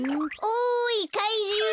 おいかいじゅう！